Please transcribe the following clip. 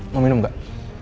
mau minum gak